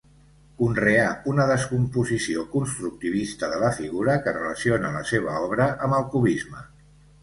Conreà una descomposició constructivista de la figura que relaciona la seva obra amb el cubisme.